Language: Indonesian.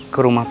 ke rumah sakit